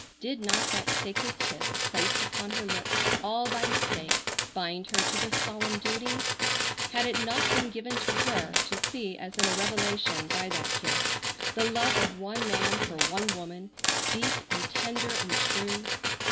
Did not that sacred kiss placed upon her lips all by mistake bind her to this solemn duty? Had it not been given to her to see as in a revelation, by that kiss, the love of one man for one woman, deep and tender and true?